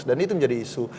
dan itu menjadi isu